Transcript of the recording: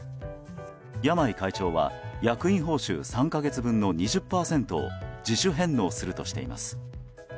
山井会長は役員報酬３か月分の２０％を自主返納するとしています。